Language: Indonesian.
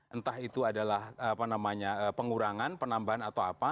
entah itu adalah apa namanya pengurangan penambahan atau apa